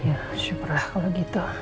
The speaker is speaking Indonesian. ya syukurlah kalau gitu